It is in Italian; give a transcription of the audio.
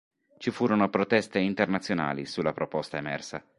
Ci furono proteste internazionali sulla proposta emersa.